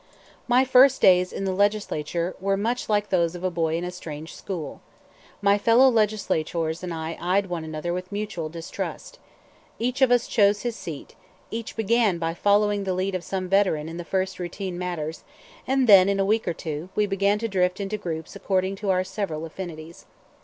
My first days in the Legislature were much like those of a boy in a strange school. My fellow legislators and I eyed one another with mutual distrust. Each of us chose his seat, each began by following the lead of some veteran in the first routine matters, and then, in a week or two, we began to drift into groups according to our several affinities.